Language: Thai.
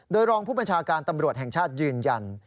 โดยรองผู้บัญชาการตำรวจแห่งชาติยืนยัน